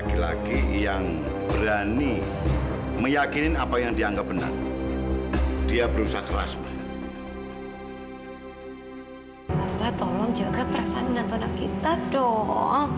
gak perasan dengan tuan tuan kita dong